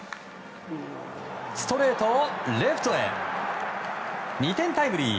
ストレートをレフトへ２点タイムリー。